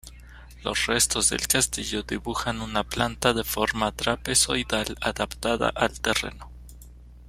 Los restos del castillo dibujan una planta de forma trapezoidal adaptada al terreno.